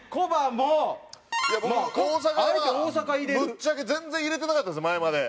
もう大阪はぶっちゃけ全然入れてなかったんですよ前まで。